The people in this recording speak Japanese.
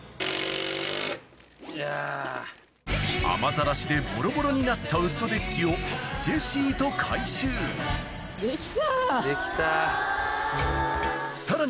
雨ざらしでボロボロになったウッドデッキをジェシーと改修さらに